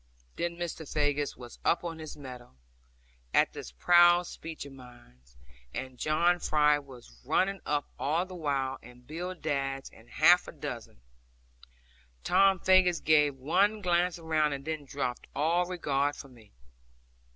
Then Mr. Faggus was up on his mettle, at this proud speech of mine; and John Fry was running up all the while, and Bill Dadds, and half a dozen. Tom Faggus gave one glance around, and then dropped all regard for me.